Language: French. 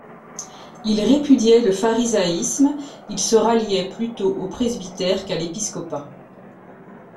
Il répudiait le pharisaïsme ; il se ralliait plutôt au presbytère qu’à l’épiscopat.